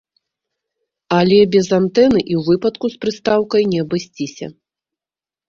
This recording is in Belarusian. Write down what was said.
Але без антэны і ў выпадку з прыстаўкай не абысціся.